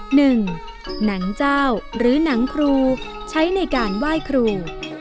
หนังเจ้าหรือหนังครูใช้ในการไหว้ครู